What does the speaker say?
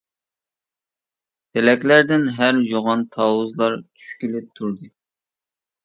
پېلەكلەردىن ھەر يوغان تاۋۇزلار چۈشكىلى تۇردى.